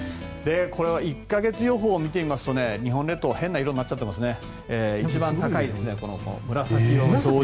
これは１か月予報を見てみますと日本列島変な色になっちゃってますね。